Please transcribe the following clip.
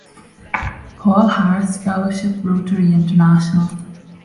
Paul Harris Fellowship Rotary International.